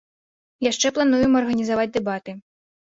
Яшчэ плануем арганізаваць дэбаты.